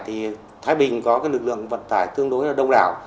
thái bình có lực lượng vận tải tương đối đông đảo